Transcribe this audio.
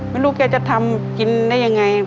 ไม่รู้แกจะทำกินได้ยังไง